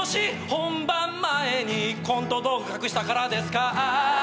本番前に」「コント道具隠したからですか？」